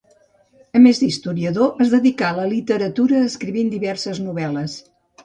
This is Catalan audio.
A més d'historiador, es dedicà a la literatura escrivint diverses novel·les.